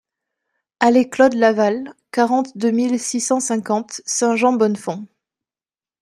Allée Claude Laval, quarante-deux mille six cent cinquante Saint-Jean-Bonnefonds